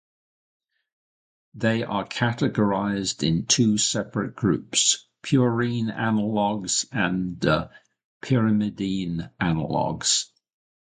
They are categorized in two separate groups, purine analogues and pyrimidine analogues.